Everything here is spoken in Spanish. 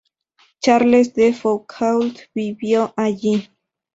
Charles de Foucauld vivió allí.